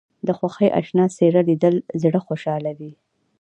د خوښۍ اشنا څېره لیدل زړه خوشحالوي